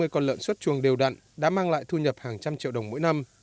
năm mươi con lợn xuất chuồng đều đặn đã mang lại thu nhập hàng trăm triệu đồng mỗi năm